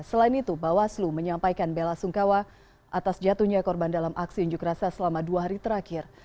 selain itu bawaslu menyampaikan bela sungkawa atas jatuhnya korban dalam aksi unjuk rasa selama dua hari terakhir